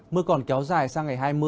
mưa còn kéo dài sang ngày hai mươi